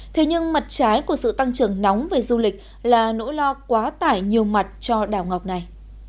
thế nhưng mặt trái của sự tăng trưởng nóng về du lịch là nỗi lo quá tải nhiều mặt cho đảo ngọc này